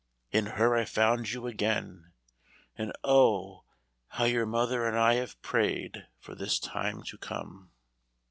In her I found you again, and oh, how your mother and I have prayed for this time to come."